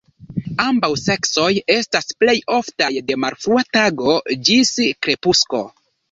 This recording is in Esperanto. Ambaŭ seksoj estas plej oftaj de malfrua tago ĝis krepusko.